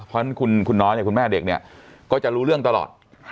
เพราะฉะนั้นคุณน้อยเนี่ยคุณแม่เด็กเนี่ยก็จะรู้เรื่องตลอด